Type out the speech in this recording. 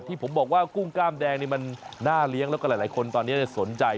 ที่ผมบอกว่ากุ้งกล้ามแดงนี่มันน่าเลี้ยงแล้วก็หลายคนตอนนี้สนใจ